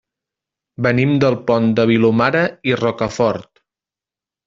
Venim del Pont de Vilomara i Rocafort.